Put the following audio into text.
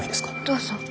どうぞ。